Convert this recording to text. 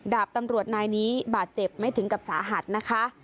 ดาบตำรวจนายนี้บาดเจ็บไม่ถึงกับสาหัสนะคะ